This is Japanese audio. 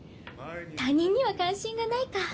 他人には関心がないか。